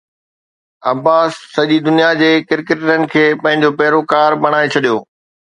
عباس سڄي دنيا جي ڪرڪيٽرن کي پنهنجو پيروڪار بڻائي ڇڏيو